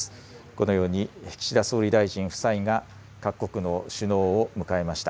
このように岸田総理大臣夫妻が各国の首脳を迎えました。